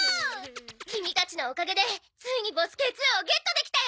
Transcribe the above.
キミたちのおかげでついにボスＫー２をゲットできたよ。